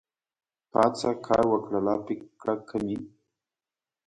پاڅه کار وکړه لافې کړه کمې